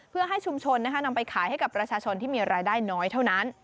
เพื่อให้ชุมชนนำไปขายให้กับประชาชนที่มีรายได้น้อยเท่านั้น